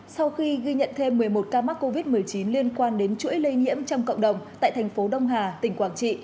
sau khi ghi nhận thêm một mươi một ca mắc covid một mươi chín liên quan đến chuỗi lây nhiễm trong cộng đồng tại thành phố đông hà tỉnh quảng trị